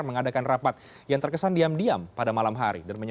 mengadakan rapat yang terkesan diam diam pada malam hari